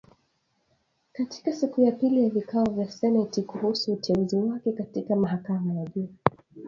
Katika siku ya pili ya vikao vya seneti kuhusu uteuzi wake katika mahakama ya juu